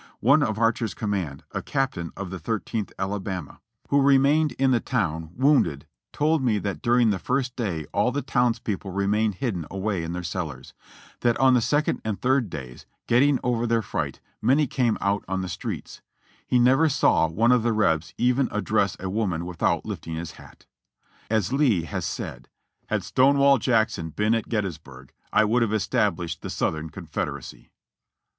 One of Archer's command, a captain in the Thirteenth Alabama, who re 41 6 JOHNNY REB AND BIIvLY YANK maiiied in the town, wounded, told me that during the first day all the towns people remained hidden away in their cellars; that on the second and third days, getting over their fright, many came out on the streets; he never saw one of the Rebs even address a woman without lifting his hat. As Lee has said : "Had Stonewall Jackson been at Gettysburg, I would have es tablished the Southern Confederacy."